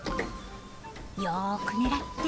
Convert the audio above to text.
よく狙って！